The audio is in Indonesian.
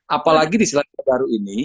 apalagi di selandia baru ini